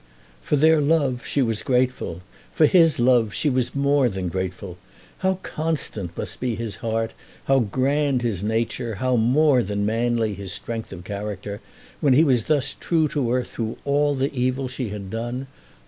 For their love she was grateful. For his love she was more than grateful. How constant must be his heart, how grand his nature, how more than manly his strength of character, when he was thus true to her through all the evil she had done!